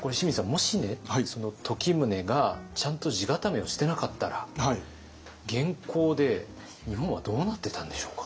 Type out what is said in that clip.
もし時宗がちゃんと地固めをしてなかったら元寇で日本はどうなってたんでしょうか？